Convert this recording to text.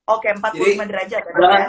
oke empat puluh lima derajat